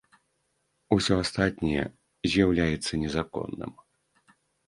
Усё астатняе з'яўляецца незаконным.